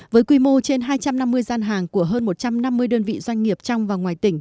với quy mô trên hai trăm năm mươi gian hàng của hơn một trăm năm mươi đơn vị doanh nghiệp trong và ngoài tỉnh